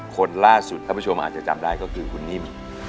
คนล่าสุดท่านผู้ชมอาจจะจำได้ก็คือคุณนิ่ม